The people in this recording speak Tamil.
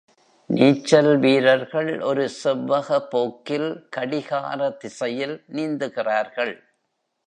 நீச்சல் வீரர்கள் ஒரு செவ்வக போக்கில் கடிகார திசையில் நீந்துகிறார்கள்.